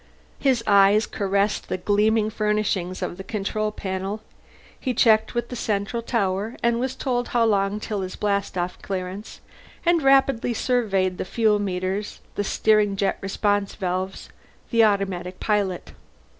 His eyes caressed the gleaming furnishings of the control panel. He checked with the central tower, was told how long till his blastoff clearance, and rapidly surveyed the fuel meters, the steering jet response valves, the automatic pilot.